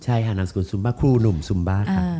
ใช่ค่ะนามสกุลซุมบ้าครูหนุ่มซุมบ้าค่ะ